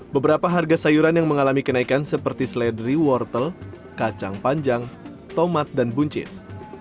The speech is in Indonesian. beberapa harga sayuran yang mengalami kenaikan seperti seledri wortel kacang panjang tomat dan buncis